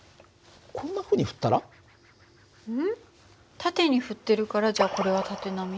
縦に振ってるからじゃあこれは縦波？